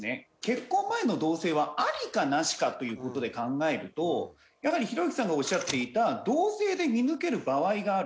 結婚前の同棲はアリかナシかという事で考えるとやはりひろゆきさんがおっしゃっていた同棲で見抜ける場合がある。